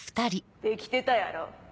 できてたやろ？